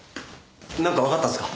なんかわかったんすか？